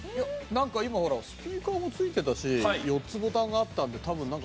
なんか今ほらスピーカーも付いてたし４つボタンがあったんで多分ボタンに。